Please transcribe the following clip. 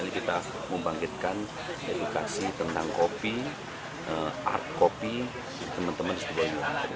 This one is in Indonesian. jadi kita membangkitkan edukasi tentang kopi art kopi teman teman situwondo